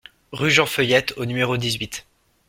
Rue Jean Feuillette au numéro dix-huit